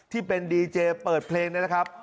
ที่เป็นดีเจเปิดเพลงนะครับ